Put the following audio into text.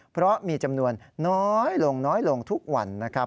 เพราะมีจำนวนน้อยลงน้อยลงทุกวันนะครับ